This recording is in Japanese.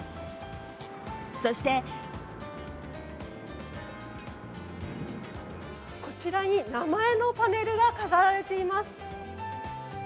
そしてこちらに名前のパネルが飾られています。